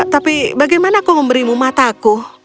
tapi bagaimana kau memberimu mataku